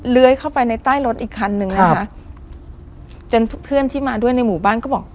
เลื้อยเข้าไปในใต้รถอีกคันนึงนะคะจนเพื่อนที่มาด้วยในหมู่บ้านก็บอก